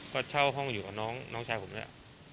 ก็เช่าห้องอยู่กับน้องชายผมเนี่ย